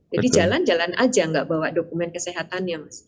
jadi jalan jalan aja tidak bawa dokumen kesehatannya mas